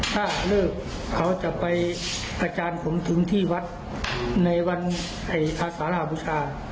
ถ้าเลิกเขาจะไปอาจารย์ผมถึงที่วัดในวันอสารบุษา